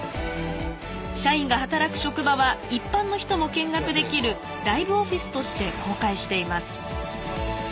社員が働く職場は一般の人も見学できるライブオフィスとして公開しています。